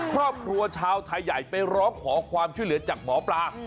ครอบครัวชาวไทยใหญ่ไปร้องขอความช่วยเหลือจากหมอปลา